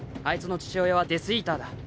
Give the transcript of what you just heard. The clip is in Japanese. あいつの父親はデス・イーターだ